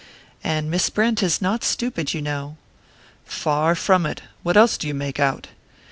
And Miss Brent is not stupid, you know." "Far from it! What else do you make out?"